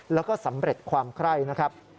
แล้วก็สำเร็จความไคร่นะครับ